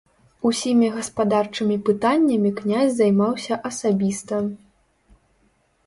Усімі гаспадарчымі пытаннямі князь займаўся асабіста.